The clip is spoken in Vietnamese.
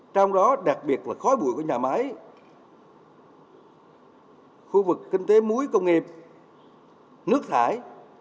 trong đó đặc biệt là khói bụi của nhà máy khu vực kinh tế muối công nghiệp nước thải